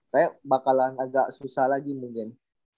kayak bakalan agak susah lagi mungkin